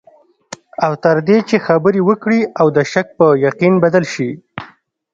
تر دې چې خبرې وکړې او د شک په یقین بدل شي.